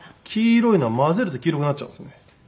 黄色いのは混ぜると黄色くなっちゃうんですよね。